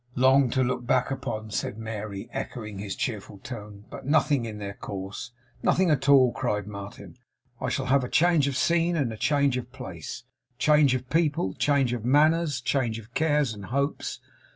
'Long to look back upon,' said Mary, echoing his cheerful tone, 'but nothing in their course!' 'Nothing at all!' cried Martin. 'I shall have change of scene and change of place; change of people, change of manners, change of cares and hopes!